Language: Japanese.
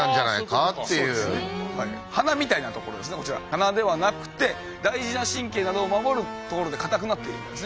鼻ではなくて大事な神経などを守るところで硬くなっているんですね。